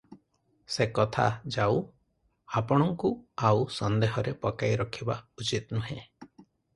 ସେକଥା ଯାଉ, ଆପଣଙ୍କୁ ଆଉ ସନ୍ଦେହରେ ପକାଇ ରଖିବା ଉଚିତନୁହେଁ ।